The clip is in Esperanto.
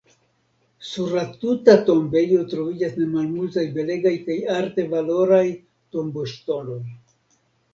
Sur la tuta tombejo troviĝas ne malmultaj belegaj kaj arte valoraj tomboŝtonoj.